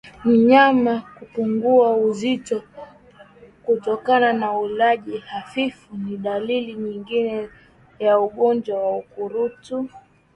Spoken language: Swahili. Mnyama kupungua uzito kutokana na ulaji hafifu ni dalili nyingine ya ugonjwa wa ukurutu